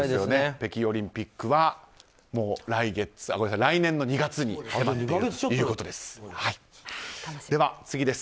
北京オリンピックは来年２月から始まるということです。